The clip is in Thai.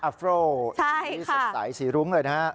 อัฟโรลสีสะสายสีรุ้งเลยนะ